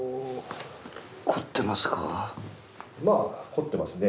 凝ってますか？